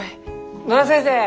野田先生